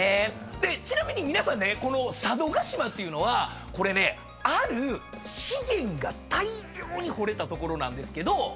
ちなみに皆さんねこの佐渡島っていうのはある資源が大量に掘れた所なんですけど。